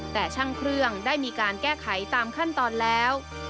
แต่ช่างเครื่องได้มีการแก้ไขตามขั้นตอนแล้ว